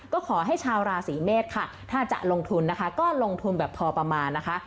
ก็ขอให้ชาวราศีเมษค่ะถ้าจะลงทุนนะคะก็ลงทุนแบบพอประมาณนะคะ